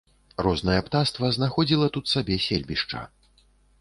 Рознае птаства знаходзіла тут сабе сельбішча.